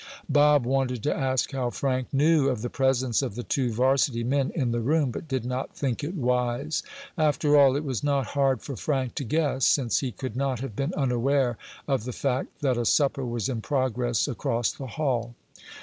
Bob wanted to ask how Frank knew of the presence of the two varsity men in the room, but did not think it wise. After all, it was not hard for Frank to guess, since he could not have been unaware of the fact that a supper was in progress across the hall.